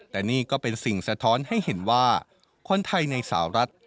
แต่นี่ก็เป็นสิ่งสะท้อนให้เห็นว่าคนไทยในสาวรัฐ